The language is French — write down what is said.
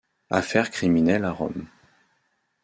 Affaire criminelle à Rome.